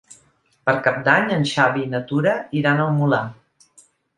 Per Cap d'Any en Xavi i na Tura iran al Molar.